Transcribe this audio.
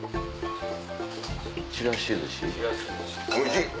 おいしい！